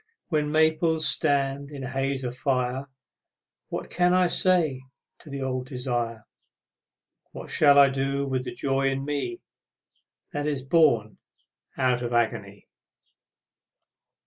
When maples stand in a haze of fire What can I say to the old desire, What shall I do with the joy in me That is born out of agony?